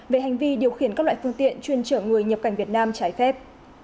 về hành vi điều khiển các loại phương tiện chuyên chở người nhập cảnh việt nam trái phép